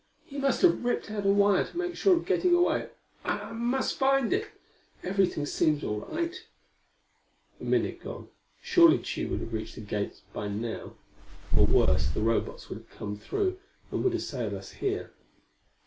"He must have ripped out a wire to make sure of getting away. I I must find it. Everything seems all right." A minute gone. Surely Tugh would have reached the gate by now. Or, worse, the Robots would have come through, and would assail us here.